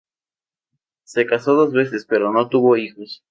Se casó dos veces, pero no tuvo hijos.